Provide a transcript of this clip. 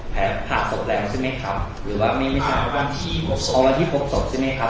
เผาขราะทศักดิ์แล้วใช่ไหมครับหรือว่าไม่ใช่วันที่พบศพใช่ไหมครับ